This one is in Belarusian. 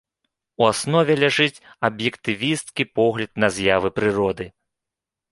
У аснове ляжыць аб'ектывісцкі погляд на з'явы прыроды.